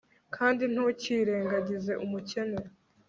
kandi ntukirengagize umukene